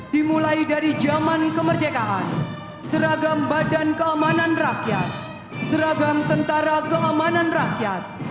dimulai dari zaman kemerdekaan seragam badan keamanan rakyat seragam tentara keamanan rakyat